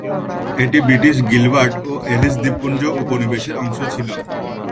এটি British Gilbert ও Ellice দ্বীপপুঞ্জ উপনিবেশের অংশ ছিল।